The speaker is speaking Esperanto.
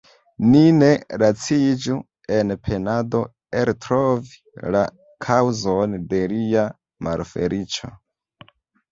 Ni ne laciĝu en penado eltrovi la kaŭzon de lia malfeliĉo.